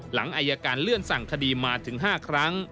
หลังอายการเลื่อนสั่งคดีมาถึง๕ครั้ง